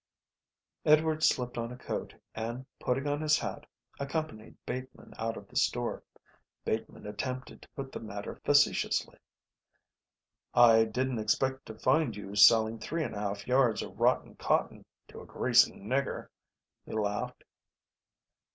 Edward slipped on a coat and, putting on his hat, accompanied Bateman out of the store. Bateman attempted to put the matter facetiously. "I didn't expect to find you selling three and a half yards of rotten cotton to a greasy nigger," he laughed.